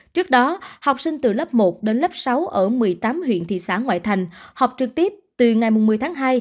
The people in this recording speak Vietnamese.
trước đó học sinh từ lớp một đến lớp sáu ở một mươi tám huyện thị xã ngoại thành học trực tiếp từ ngày một mươi tháng hai